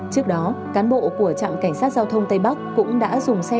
trước đó cán bộ của trạm cảnh sát giao thông tây bắc cũng đã dùng xe ô tô tải đặc trùng đưa ông bà về nhà